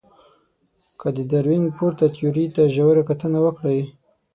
که د داروېن پورته تیوري ته ژوره کتنه وکړئ.